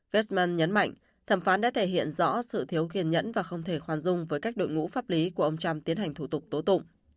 gasman nhấn mạnh thẩm phán đã thể hiện rõ sự thiếu kiên nhẫn và không thể khoan dung với các đội ngũ pháp lý của ông trump tiến hành thủ tục tố tụng